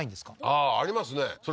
ああーありますねそれ